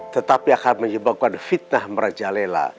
tetapi akan menyebabkan fitnah merajalela